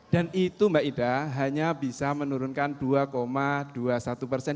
dan itu maeda hanya bisa menurunkan dua dua puluh satu persen